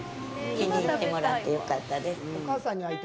気に入ってもらってよかったです。